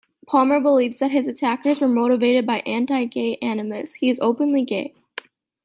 Palmer believes that his attackers were motivated by anti-gay animus; he is openly gay.